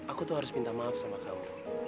aku tuh harus minta maaf sama kamu